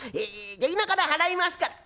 じゃ今から払いますから。